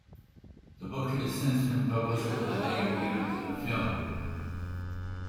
The book has since been published under the name given to the film.